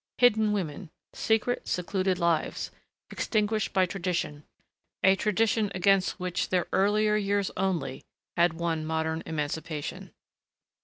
Hidden women. Secret, secluded lives.... Extinguished by tradition a tradition against which their earlier years only had won modern emancipation.